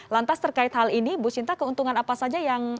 lantas terkait hal ini bu sinta keuntungan apa saja yang